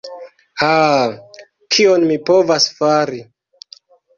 Ha... kion mi povas fari.